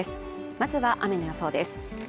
まずは雨の予想です。